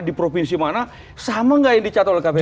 di provinsi mana sama gak yang dicatat oleh kpu